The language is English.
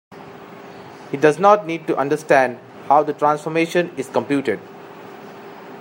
He does not need to understand how the transformation is computed.